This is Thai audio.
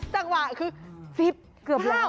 จังหวะคือซิบเกือบแล้ว